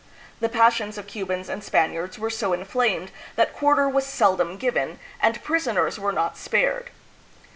The passions of Cu bans and Spaniards were so inflamed that quarter was seldom given, and prisoners were not spared.